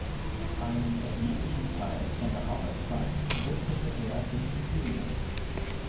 Einen erheblichen Teil seiner Arbeitszeit widmete er den Studierenden.